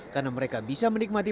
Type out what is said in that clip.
karena mereka bisa menikmati